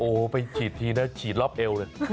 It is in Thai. โอ้โหไปฉีดทีนะฉีดรอบเอวเลย